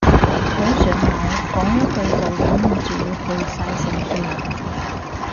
好上腦，講一句就忍唔住要背晒成段